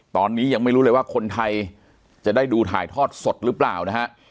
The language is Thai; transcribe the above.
ตอนนี้ยังไม่รู้เลยว่าคนไทยจะได้ดูถ่ายทอดสดหรือเปล่านะฮะ